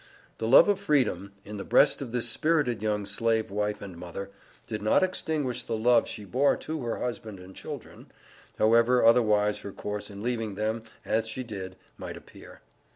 The love of freedom, in the breast of this spirited young Slave wife and mother, did not extinguish the love she bore to her husband and children, however otherwise her course, in leaving them, as she did, might appear.